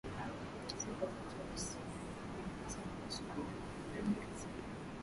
Siku zote usilo lijua ni sawa na usiku wa giza wahenga walisema